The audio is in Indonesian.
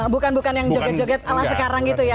bukan bukan yang joget joget ala sekarang gitu ya